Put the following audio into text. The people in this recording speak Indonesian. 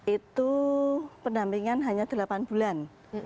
itu pendampingan hanya delapan bulan